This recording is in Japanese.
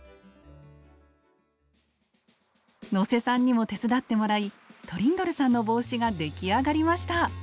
能勢さんにも手伝ってもらいトリンドルさんの帽子が出来上がりました！